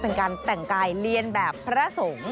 เป็นการแต่งกายเรียนแบบพระสงฆ์